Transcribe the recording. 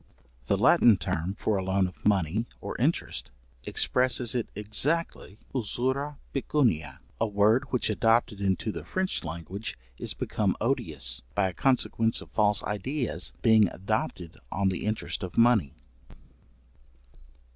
The Latin term for a loan of money or interest, expresses it exactly, usura pecuniæ, a word which adopted into the French language is become odious, by a consequence of false ideas being adopted on the interest of money.